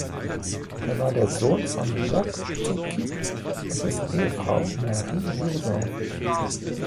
Er war der Sohn von Jacques Tocip und dessen Ehefrau Marie Jourdan.